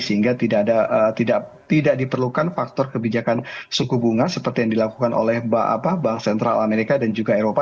sehingga tidak diperlukan faktor kebijakan suku bunga seperti yang dilakukan oleh bank sentral amerika dan juga eropa